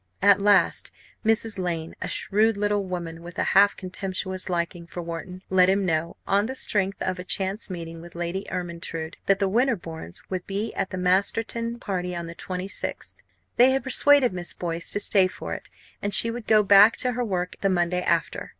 At last Mrs. Lane, a shrewd little woman with a half contemptuous liking for Wharton, let him know on the strength of a chance meeting with Lady Ermyntrude that the Winterbournes would be at the Masterton party on the 26th. They had persuaded Miss Boyce to stay for it, and she would go back to her work the Monday after.